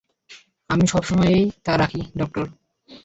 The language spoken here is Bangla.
আমি সবসময়েই তা রাখি, ডক্টর।